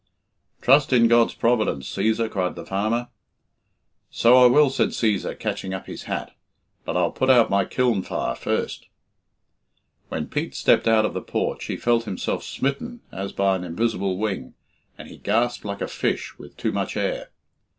"Trust in God's providence, Cæsar," cried the farmer. "So I will," said Cæsar, catching up his hat, "but I'll put out my kiln fire first." When Pete stepped out of the porch, he felt himself smitten as by an invisible wing, and he gasped like a fish with too much air.